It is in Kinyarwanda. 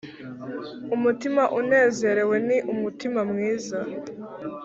umutima unezerewe ni umuti mwiza,